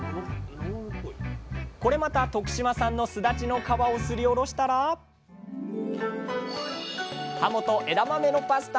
これまた徳島産のスダチの皮をすりおろしたら「はもと枝豆のパスタ」の完成です！